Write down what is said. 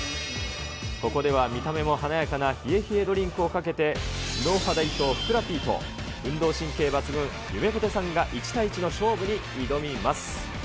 ここでは見た目も華やかな冷え冷えドリンクをかけて、頭脳派代表ふくらＰと、運動神経抜群ゆめぽてさんが１対１の勝負に挑みます。